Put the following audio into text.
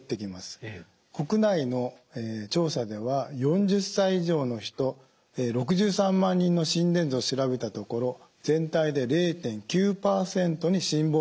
国内の調査では４０歳以上の人６３万人の心電図を調べたところ全体で０．９％に心房細動が見つかってます。